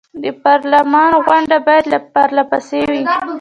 د پارلمان غونډې باید پر له پسې وي.